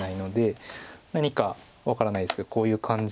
何か分からないですけどこういう感じで。